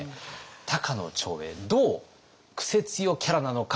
高野長英どうクセ強キャラなのか